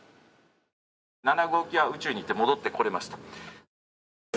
７号機は宇宙に行って戻ってこれました。